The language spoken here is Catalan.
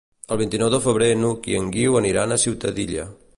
El vint-i-nou de febrer n'Hug i en Guiu aniran a Ciutadilla.